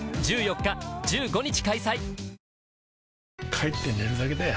帰って寝るだけだよ